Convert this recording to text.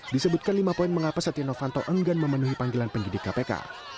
disebutkan lima poin mengapa setia novanto enggan memenuhi panggilan penyidik kpk